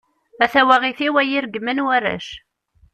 A tawaɣit-iw ad iyi-regmen warrac.